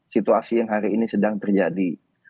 situasi yang hari ini sedang terjadi